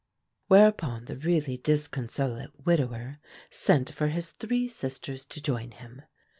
Whereupon the really disconsolate widower sent for his three sisters to join him.